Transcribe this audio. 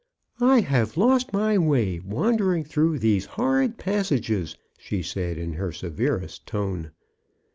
'* I have lost my way wandering through these horrid passages," she said in her severest tone.